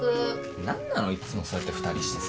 何なのいつもそうやって二人してさ。